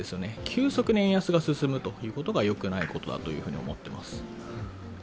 急速に円安が進むことがよくないことだというふうに思っています。